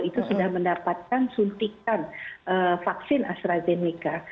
itu sudah mendapatkan suntikan vaksin astrazeneca